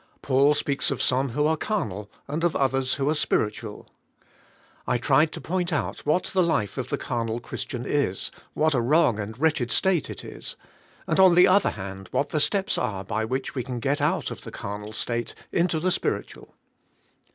Paul speaks of some who are carnal and of others who are spiritual. I tried to point out what the life of the carnal Christian is, what a wrong and wretched state it is; and on the other hand what the steps are by which we can g et out of the carnal state into the spiritual.